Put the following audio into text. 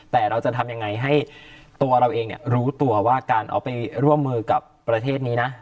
แต่เราจะทำยังไงให้ตัวเราเองรู้ตัวว่าการเอาไปร่วมมือกับประเทศนี้นะ